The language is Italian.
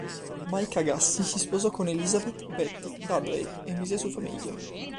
Mike Agassi si sposò con Elizabeth "Betty" Dudley e mise su famiglia.